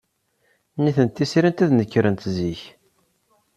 Nitenti srint ad nekrent zik.